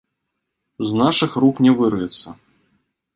З нашых рук не вырвецца.